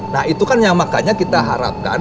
nah itu kan yang makanya kita harapkan